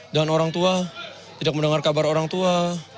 dan orang tua tidak mendengar kabar orang tua